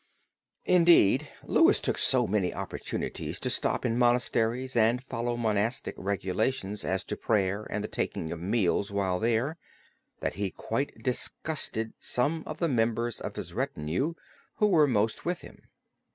Indeed Louis took so many opportunities to stop in monasteries and follow monastic regulations as to prayer and the taking of meals while there, that he quite disgusted some of the members of his retinue who were most with him.